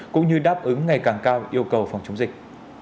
cũng như đáp ứng ngày càng cao yêu cầu phòng chống dịch